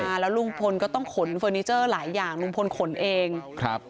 แล้วลุงพลก็ต้องขนเฟอร์นิเจอร์หลายอย่างลุงพลขนเองครับ